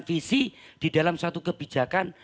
visi di dalam satu kebijakan